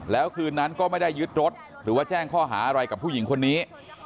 แล้วคืนนั้นก็ไม่ได้ยึดรถหรือว่าแจ้งข้อหาอะไรกับผู้หญิงคนนี้